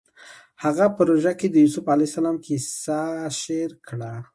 هغه په روژه کې د یوسف علیه السلام کیسه شعر کړه